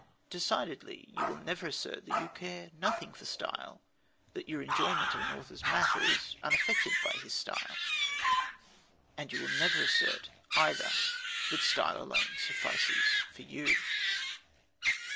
Decidedly you will never assert that you care nothing for style, that your enjoyment of an author's matter is unaffected by his style. And you will never assert, either, that style alone suffices for you.